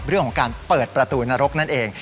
เรื่องของการเปิดประตูนรกนั่นเอง